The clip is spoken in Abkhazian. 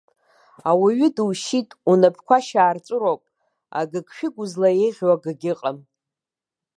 Ауаҩы душьит, унапқәа шьаарҵәыроуп, агыгшәыг узлеиӷьу акгьы ыҟам!